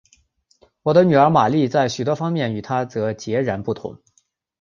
我的女儿玛丽在许多方面与她则截然不同。